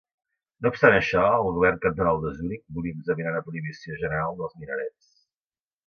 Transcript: No obstant això, el govern cantonal de Zuric volia examinar una prohibició general dels minarets.